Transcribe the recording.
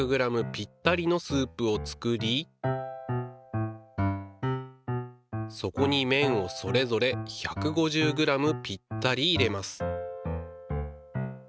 ぴったりのスープを作りそこに麺をそれぞれ１５０ｇぴったり入れます。